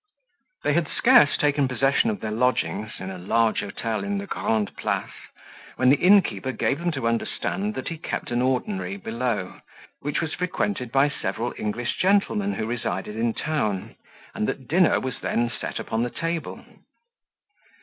They had scarce taken possession of their lodgings, in a large hotel in the Grande Place, when the innkeeper gave them to understand, that he kept an ordinary below, which was frequented by several English gentlemen who resided in town, and that dinner was then set upon the table.